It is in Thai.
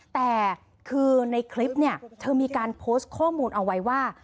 แต่คือในคลิปเนี่ยเธอมีการโพสต์ข้อมูลเอาไว้ว่า